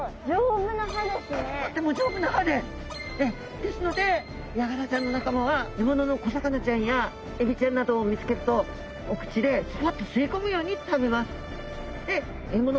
ですのでヤガラちゃんの仲間は獲物の小魚ちゃんやエビちゃんなどを見つけるとお口でスパッと吸い込むように食べます。